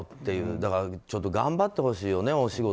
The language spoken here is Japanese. だからちょっと頑張ってほしいよね